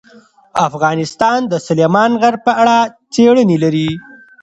افغانستان د سلیمان غر په اړه څېړنې لري.